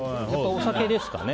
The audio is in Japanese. お酒ですかね。